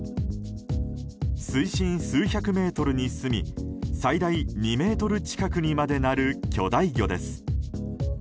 水深数百メートルにすみ最大２ｍ近くにまでなる巨大魚です。